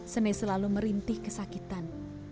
sene selalu merintih kesakitan